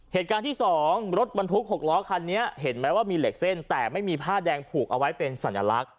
เหตุการณ์ที่๒รถบรรทุก๖ล้อคันนี้เห็นไหมว่ามีเหล็กเส้นแต่ไม่มีผ้าแดงผูกเอาไว้เป็นสัญลักษณ